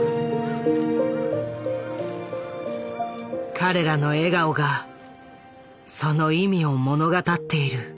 彼らの笑顔がその意味を物語っている。